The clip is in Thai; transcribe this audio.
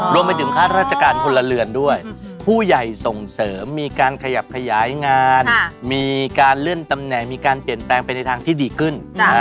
รวมไปถึงค่าราชการพลเรือนด้วยผู้ใหญ่ส่งเสริมมีการขยับขยายงานมีการเลื่อนตำแหน่งมีการเปลี่ยนแปลงไปในทางที่ดีขึ้น